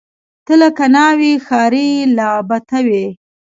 ته لکه ناوۍ، ښاري لعبته وې